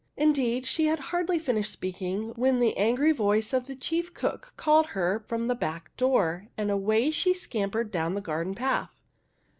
Indeed, she had hardly finished speaking when the angry voice of the chief cook called her from the back door ; and away she scampered down the garden path.